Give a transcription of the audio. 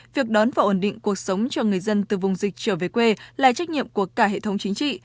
việc đón và ổn định cuộc sống cho người dân từ vùng dịch trở về quê là trách nhiệm của cả hệ thống chính trị